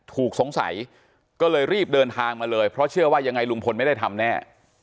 ถูกสงสัยก็เลยรีบเดินทางมาเลยเพราะเชื่อว่ายังไงลุงพลไม่ได้ทำแน่